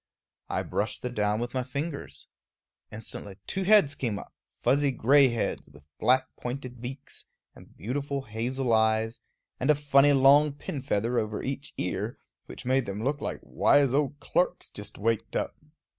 I brushed the down with my fingers. Instantly two heads came up, fuzzy gray heads, with black pointed beaks, and beautiful hazel eyes, and a funny long pin feather over each ear, which made them look like little wise old clerks just waked up.